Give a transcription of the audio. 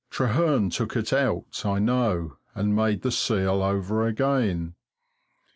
Trehearn took it out, I know, and made the seal over again.